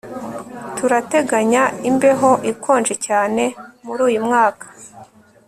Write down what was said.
Turateganya imbeho ikonje cyane muri uyu mwaka